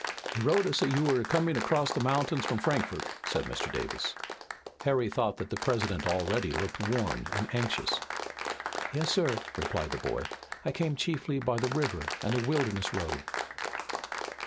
"He wrote us that you were coming across the mountains from Frankfort," said Mr. Davis. Harry thought that the President already looked worn and anxious. "Yes, sir," replied the boy, "I came chiefly by the river and the Wilderness Road."